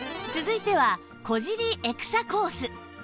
続いては小尻エクサコース